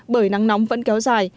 bởi nắng nóng vẫn kéo dài